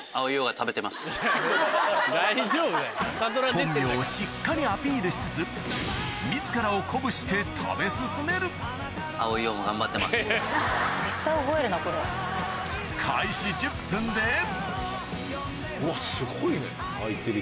本名をしっかりアピールしつつして食べ進める・うわすごいね・いってる。